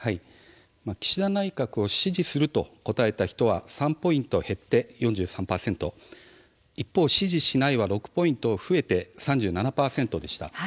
岸田内閣を支持すると答えた人は３ポイント減って、４３％一方、支持しないは６ポイント増えて３７％でした。